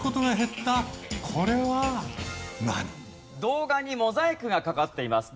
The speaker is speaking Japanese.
動画にモザイクがかかっています。